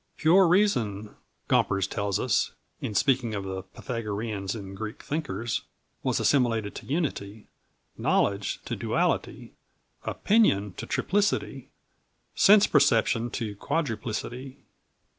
"Pure reason," Gomperz tells us, in speaking of the Pythagoreans in Greek Thinkers, "was assimilated to unity, knowledge to duality, opinion to triplicity, sense perception to quadruplicity."